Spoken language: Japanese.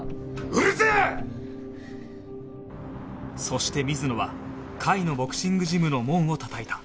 そして水野は甲斐のボクシングジムの門をたたいた